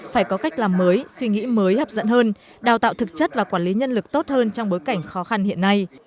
phải có cách làm mới suy nghĩ mới hấp dẫn hơn đào tạo thực chất và quản lý nhân lực tốt hơn trong bối cảnh khó khăn hiện nay